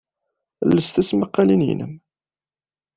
Els tismaqqalin-nnem.